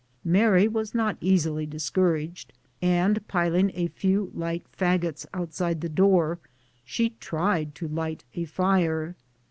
Mary was not easily discouraged, and piling a few light fagots outside the door, she tried to light a fire.